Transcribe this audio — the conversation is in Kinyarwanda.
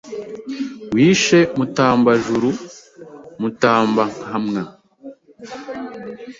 Wishe Mutambajuru Mutambankamwa